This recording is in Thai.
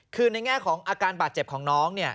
คือในแง่ของอาการบาดเจ็บของน้อง